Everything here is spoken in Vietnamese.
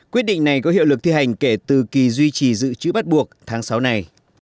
quyết định này có hiệu lực thi hành kể từ kỳ duy trì dự trữ bắt buộc tháng sáu này